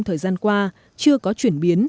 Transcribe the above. thời gian qua chưa có chuyển biến